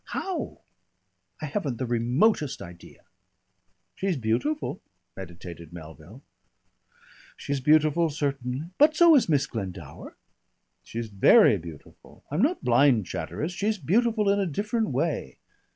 How? I haven't the remotest idea." "She's beautiful," meditated Melville. "She's beautiful certainly. But so is Miss Glendower." "She's very beautiful. I'm not blind, Chatteris. She's beautiful in a different way."